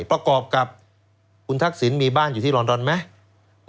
ประกอบกับคุณทักษิณมีบ้านอยู่ที่ลอนดอนไหม